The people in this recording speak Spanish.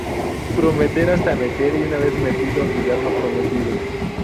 Prometer hasta meter y una vez metido, olvidar lo prometido